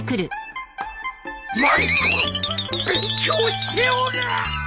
まる子が勉強しておる。